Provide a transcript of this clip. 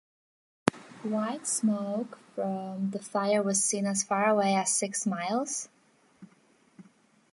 White smoke from the fire was seen as far away as six miles.